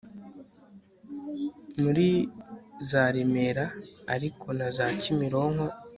muri zaremera ariko na za kimironko